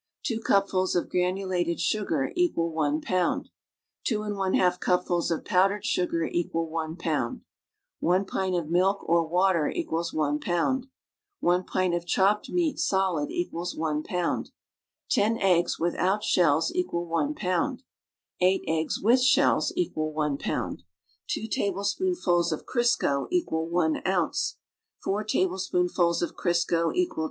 i cupfuLs of granulated .sugar equal 1 poun<l ^2 J 2 eupfuls of powdered sugar equal 1 pound 1 pint of milk, or water equals 1 pound 1 pint of chopped meat (solid) equals 1 pftund It) eggs fwithf>ut shells) equal 1 pound 8 eggs, with shells equal 1 pound 2 tablespoonfuls of Cris<(j equal 1 ounce 4 tablespoonfuls of Criseo equal